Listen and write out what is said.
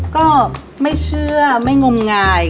ก็ไม่เชื่อไม่งมงาย